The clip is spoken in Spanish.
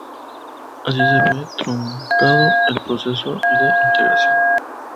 Así se ve truncado el proceso de integración.